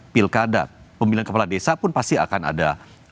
pilkada pemilihan kepala desa pun pasti akan ada